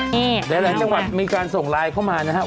นี่เดี๋ยวจะคำว่ามีการส่งไลน์เข้ามานะครับ